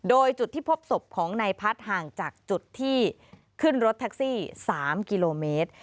โดยจุดที่พบศพของนายพัฒน์ห่างจากจุดที่ขึ้นรถแท็กซี่๓กิโลเมตร